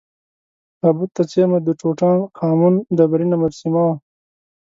تابوت ته څېرمه د ټوټا ن خا مون ډبرینه مجسمه وه.